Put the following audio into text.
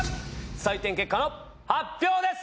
採点結果の発表です！